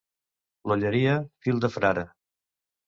L'Olleria, fill de frare.